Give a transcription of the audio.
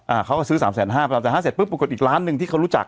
อ่าเขาก็ซื้อสามแสนห้าไปสามแสนห้าเสร็จปุ๊บปรากฏอีกร้านหนึ่งที่เขารู้จัก